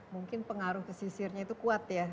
mungkin pengaruh pesisir nya itu kuat ya